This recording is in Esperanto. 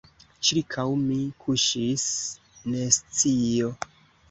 Ĉirkaŭ mi kuŝis nescio.